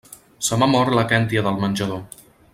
Se m'ha mort la kèntia del menjador.